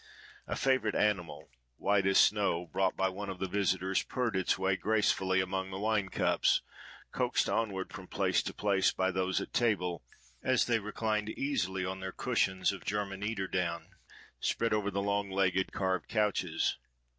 A favourite animal, white as snow, brought by one of the visitors, purred its way gracefully among the wine cups, coaxed onward from place to place by those at table, as they reclined easily on their cushions of German eider down, spread over the long legged, carved couches.